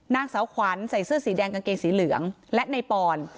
นางสาวขวัญใส่เสื้อสีแดงกางเกงสีเหลืองและในปอน